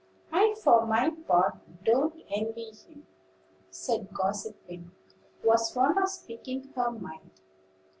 "I, for my part, don't envy him," said Gossip Wing, who was fond of speaking her mind.